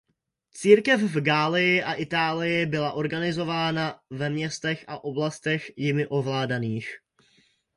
Církev v Galii a Itálii byla organizována ve městech a oblastech jimi ovládaných.